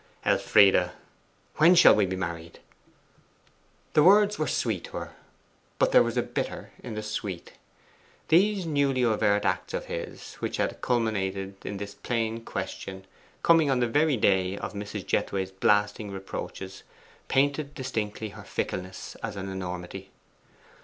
'Elfride, when shall we be married?' The words were sweet to her; but there was a bitter in the sweet. These newly overt acts of his, which had culminated in this plain question, coming on the very day of Mrs. Jethway's blasting reproaches, painted distinctly her fickleness as an enormity.